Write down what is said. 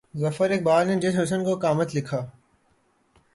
ظفر اقبال نے جس حُسن کو قامت لکھا